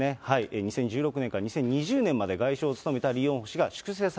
２０１６年から２０２０年まで外相を務めたリ・ヨンホ氏が、粛清